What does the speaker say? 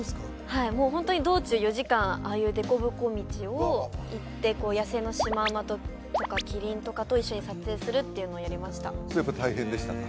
はいもうホントに道中４時間ああいう凸凹道を行ってこう野生のシマウマとかキリンとかと一緒に撮影するっていうのをやりましたそれやっぱ大変でしたか？